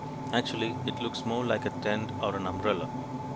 Actually, it looks more like a tent or an umbrella.